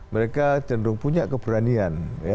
mereka cenderung punya keberanian